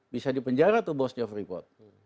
bisa dipenjara tuh bosnya freeport